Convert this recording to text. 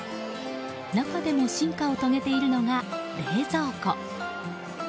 中でも進化を遂げているのが冷蔵庫。